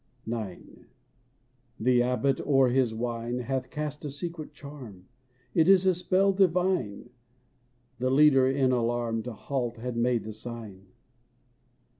IX. ''The Abbot o'er his wine Hath cast a secret charm; It is a Spell divine!" — (The leader, in alarm, To halt had made the sig;n.)